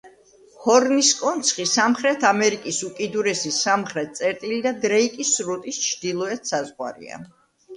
ჰორნის კონცხი სამხრეთ ამერიკის უკიდურესი სამხრეთ წერტილი და დრეიკის სრუტის ჩრდილოეთ საზღვარია.